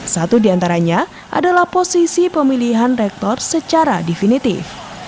satu diantaranya adalah posisi pemilihan rektor secara definitif